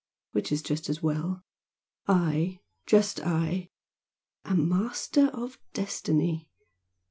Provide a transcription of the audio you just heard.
which is just as well! I just I am master of destiny!